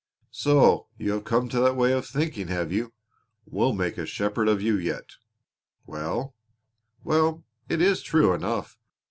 "So you have come to that way of thinking, have you? We'll make a shepherd of you yet! Well, well, it is true enough.